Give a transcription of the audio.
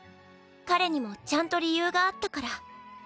彼にもちゃんと理由があったから。